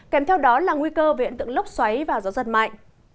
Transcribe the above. kèm theo đó là nguy cơ về hiện tượng lốc xoáy và gió giật mạnh